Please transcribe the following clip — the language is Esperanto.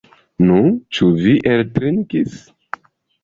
Nu, ĉu vi eltrinkis?